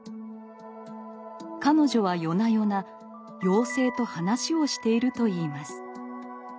彼女は夜な夜な「妖精」と話をしていると言います。